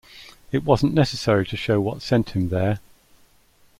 It wasn't necessary to show what sent him there.